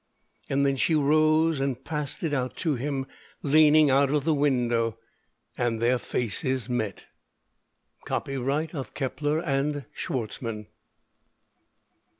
_ Then she rose and passed it out to him, leaning out of the window, and their faces met. Copyright of Keppler and Schwarzmann.